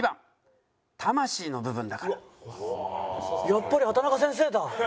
やっぱり畠中先生だ。